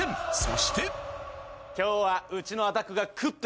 そして今日は。